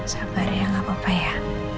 sabar ya nggak apa apa ya